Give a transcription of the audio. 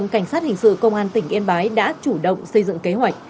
cảnh sát hình sự công an tỉnh yên bái đã chủ động xây dựng kế hoạch